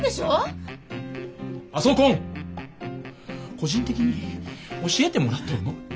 個人的に教えてもらっとるの。